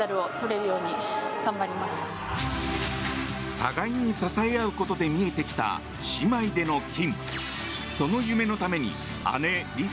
互いに支え合うことで見えてきた姉妹での金。